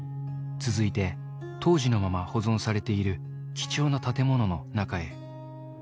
続いて当時のまま保存されている貴重な建物の中へ。